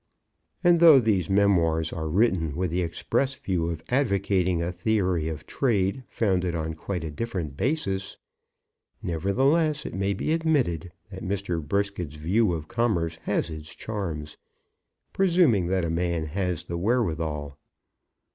And though these memoirs are written with the express view of advocating a theory of trade founded on quite a different basis, nevertheless, it may be admitted that Mr. Brisket's view of commerce has its charms, presuming that a man has the wherewithal.